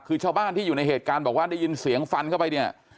คือชาวบ้านที่อยู่ในเหตุการณ์บอกว่าได้ยินเสียงฟันเข้าไปเนี่ย